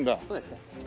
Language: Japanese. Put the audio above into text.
そうですね。